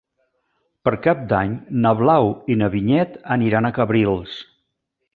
Per Cap d'Any na Blau i na Vinyet aniran a Cabrils.